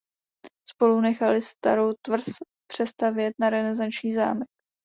Spolu nechali starou tvrz přestavět na renesanční zámek.